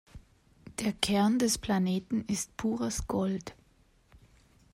Der Kern des Planeten ist pures Gold.